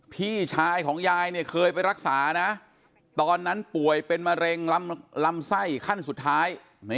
พี่ชายของยายเนี่ยเคยไปรักษานะตอนนั้นป่วยเป็นมะเร็งลำไส้ขั้นสุดท้าย